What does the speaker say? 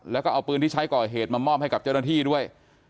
แล้วก็เอาปืนที่ใช้ก่อเหตุมามอบให้กับเจ้าหน้าที่ด้วย